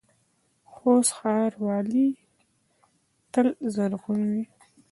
خوست ښار ولې تل زرغون وي؟